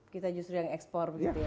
kita justru yang ekspor begitu ya